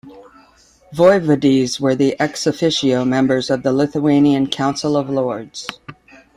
Voivodes were the "ex officio" members of the Lithuanian Council of Lords.